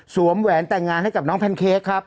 แหวนแต่งงานให้กับน้องแพนเค้กครับ